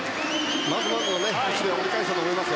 まずまずのタイムで折り返したと思います。